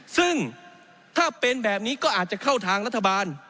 ซึ่งถ้าเป็นแบบนี้ก็อาจจะเข้าทางรัฐบาล